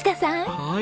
はい。